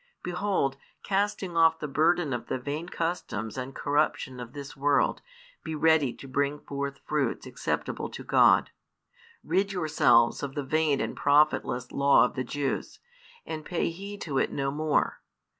Behold, casting off the burden of the vain customs and corruption of this world, be ready to bring forth fruits acceptable to God: rid yourselves of the vain and profitless law of the Jews, and pay heed to it no more.